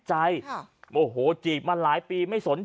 ชาวบ้านญาติโปรดแค้นไปดูภาพบรรยากาศขณะ